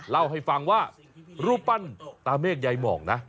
เล่าให้ฟังว่ารูปปั้นตาเมฆยายหมองนะ